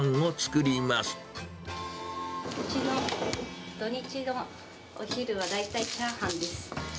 うちの土日のお昼は、大体チャーハンです。